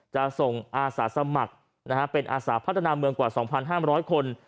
จะส่งอาสาสมัครเป็นอาสาพัฒนาเมืองกว่า๒๕๐๐คน